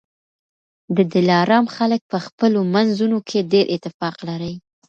د دلارام خلک په خپلو منځونو کي ډېر اتفاق لري